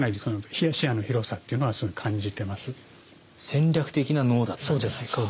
戦略的なＮＯだったんじゃないか。